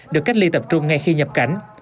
được cách ly tập trung ngay khi nhập cảnh